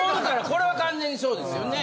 これは完全にそうですよね。